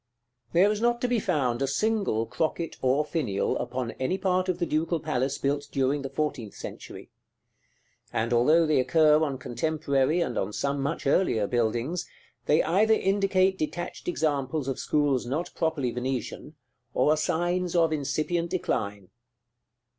§ XIV. There is not to be found a single crocket or finial upon any part of the Ducal Palace built during the fourteenth century; and although they occur on contemporary, and on some much earlier, buildings, they either indicate detached examples of schools not properly Venetian, or are signs of incipient decline.